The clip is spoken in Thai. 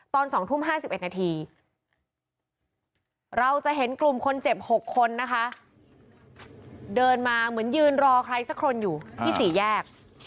ตอน๒ทุ่ม๕๑นาทีเราจะเห็นกลุ่มคนเจ็บ๖คนนะคะเดินมาเหมือนยืนรอใครสักคนอยู่ที่๔แยก